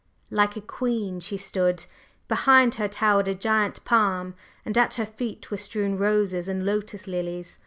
Like a queen she stood, behind her towered a giant palm, and at her feet were strewn roses and lotus lilies.